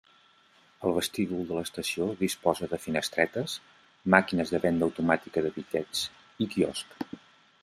El vestíbul de l'estació disposa de finestretes, màquines de venda automàtica de bitllets i quiosc.